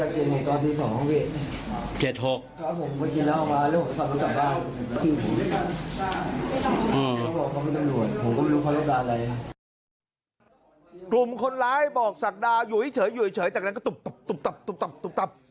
กลุ่มคนร้ายบอกสักดาอยู่เฉยอยู่เฉยจากนั้นก็ตุบ